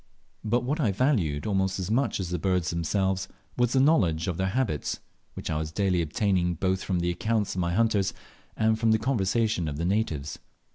But what I valued almost as much as the birds themselves was the knowledge of their habits, which I was daily obtaining both from the accounts of my hunters, and from the conversation of the natives.